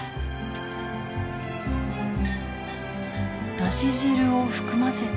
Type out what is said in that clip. だし汁を含ませて。